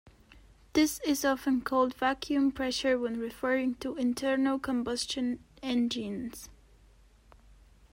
This is often called vacuum pressure when referring to internal combustion engines.